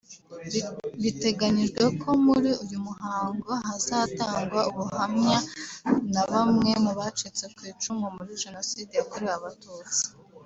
Biteganyijwe ko muri uyu muhango hazatangwa ubuhamya na bamwe mu bacitse ku icumu muri Jenoside yakorewe Abatutsi